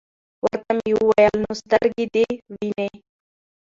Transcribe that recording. ورته ومي ویل : نو سترګي دي وینې ؟